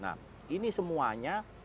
nah ini semuanya